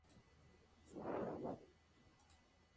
Markus se crió en Búfalo, Nueva York.